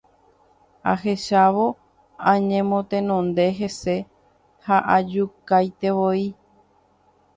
Ahechávo añemotenonde hese ha ajukaitevoi.